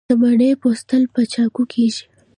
د مڼې پوستول په چاقو کیږي.